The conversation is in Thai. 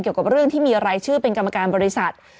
เกี่ยวกับเรื่องที่มีรายชื่อเป็นกรรมการบริษัท